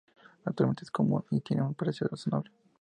Actualmente es común y tiene un precio razonable.